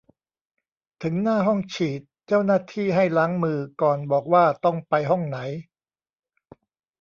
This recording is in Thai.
ถึงหน้าห้องฉีด เจ้าหน้าที่ให้ล้างมือ ก่อนบอกว่าต้องไปห้องไหน